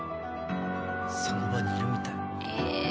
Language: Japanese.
その場にいるみたい。